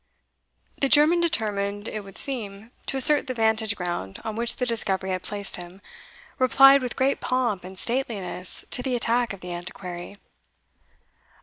The German, determined, it would seem, to assert the vantage ground on which the discovery had placed him, replied with great pomp and stateliness to the attack of the Antiquary.